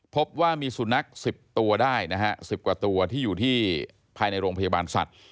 พบว่ามีสุนัข๑๐ตัวได้นะฮะ๑๐กว่าตัวที่อยู่ที่ภายในโรงพยาบาลสัตว์